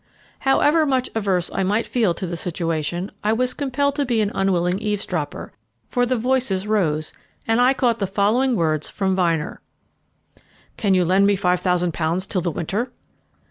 However much averse I might feel to the situation, I was compelled to be an unwilling eavesdropper, for the voices rose, and I caught the following words from Vyner: "Can you lend me five thousand pounds till the winter?"